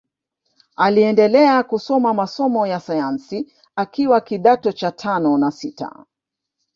Aliendelea kusoma masomo ya sayansi akiwa kidato cha tano na sita